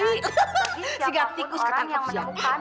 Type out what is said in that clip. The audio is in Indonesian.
sehingga tikus ke kantor siap